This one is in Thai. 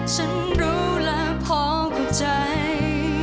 ฉันรู้แล้วพอเข้าใจ